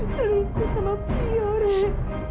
selingkuh sama pia ren